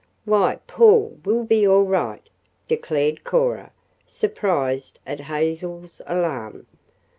"Why, Paul will be all right," declared Cora, surprised at Hazel's alarm.